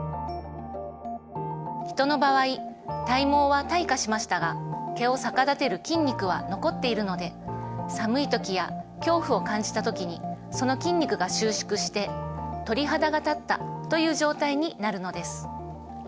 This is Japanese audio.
ヒトの場合体毛は退化しましたが毛を逆立てる筋肉は残っているので寒い時や恐怖を感じた時にその筋肉が収縮して鳥肌が立ったという状態になるのです。